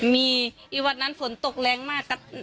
มีวันนั้นฝนตกแรงมาก